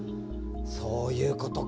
そういうことか。